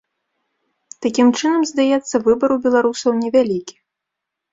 Такім чынам, здаецца, выбар у беларусаў невялікі?